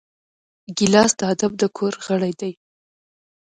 ګیلاس د ادب د کور غړی دی.